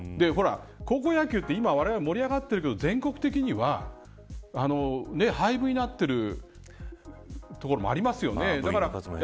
高校野球って今われわれ盛り上がってるけど全国的には廃部になっているところもありますよね。